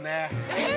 えっ？